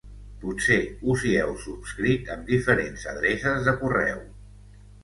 Potser us hi heu subscrit amb diferents adreces de correu.